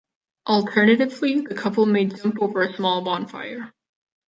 Alternatively, the couple may jump over a small bonfire.